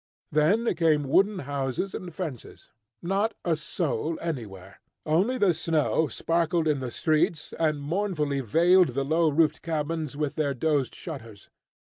Then came wooden houses and fences. Not a soul anywhere; only the snow sparkled in the streets, and mournfully veiled the low roofed cabins with their closed shutters.